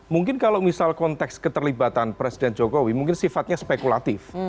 mungkin kalau misal konteks keterlibatan presiden jokowi mungkin sifatnya spekulatif